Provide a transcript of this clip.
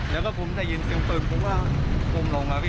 แล้วก็ผมได้ยินเสียงฟืนผมก็กลุ่มลงมา